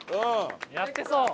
やってそう。